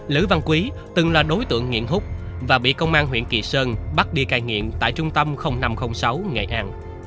lữ văn quý từng là đối tượng nghiện hút và bị công an huyện kỳ sơn bắt đi cai nghiện tại trung tâm năm trăm linh sáu nghệ an